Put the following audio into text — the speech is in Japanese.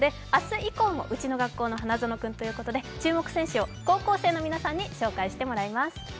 以降も「ウチの学校の花園くん」ということで、注目選手を高校生の皆さんに紹介してもらいます。